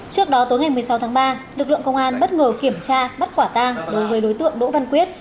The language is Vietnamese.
trước đó tối ngày một mươi sáu tháng ba lực lượng công an bất ngờ kiểm tra bắt quả tang đối với đối tượng đỗ văn quyết